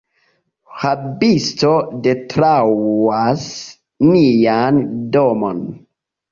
Rabisto detruas nian domon!